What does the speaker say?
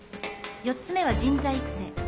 ４つ目は人材育成。